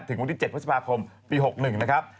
วันที่๗พฤษภาคมปี๖๑นะครับ